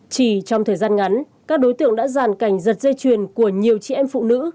chỉ trong thời gian ngắn các đối tượng đã giàn cảnh giật dây chuyền của nhiều chị em phụ nữ